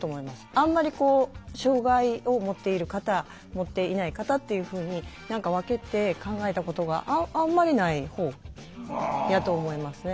あんまり障害をもっている方もっていない方っていうふうに何か分けて考えたことがあんまりない方やと思いますね。